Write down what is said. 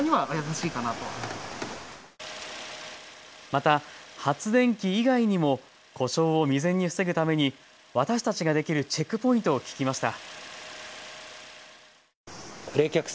また発電機以外にも故障を未然に防ぐために私たちができるチェックポイントを聞きました。